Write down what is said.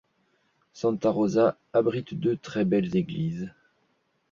Santa Rosa abrite deux très belles églises.